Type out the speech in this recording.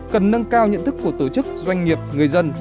cần nâng cao nhận thức của tổ chức doanh nghiệp người dân